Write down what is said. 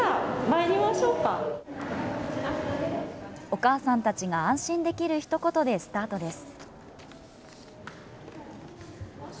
お母さんたちが安心できるひと言でスタートです。